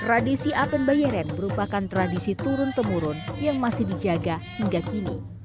tradisi apen bayeren merupakan tradisi turun temurun yang masih dijaga hingga kini